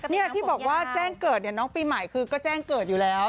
นี่ที่บอกว่าแจ้งเกิดเนี่ยน้องปีใหม่คือก็แจ้งเกิดอยู่แล้ว